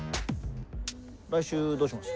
来週どうします？